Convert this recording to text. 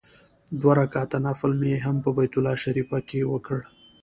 دوه رکعاته نفل مې هم په بیت الله شریفه کې وکړ.